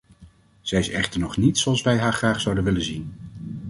Zij is echter nog niet zoals wij haar graag zouden zien.